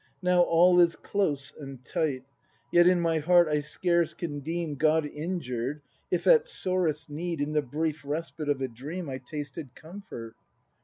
] Now all is close and tight; Yet in my heart I scarce can deem God injured if, at sorest need, In the brief respite of a dream I tasted comfort.